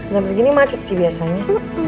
jam segini macet sih biasanya